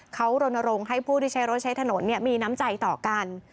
เขารณรงค์ให้ผู้ที่ใช้รถใช้ถนนมีน้ำใจต่อกัน